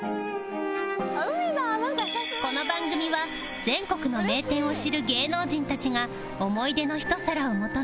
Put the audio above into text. この番組は全国の名店を知る芸能人たちが思い出の一皿を求め